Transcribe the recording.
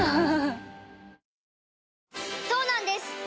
そうなんです